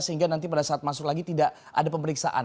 sehingga nanti pada saat masuk lagi tidak ada pemeriksaan